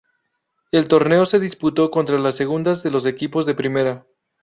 El torneo se disputó contra las segundas de los equipos de primera.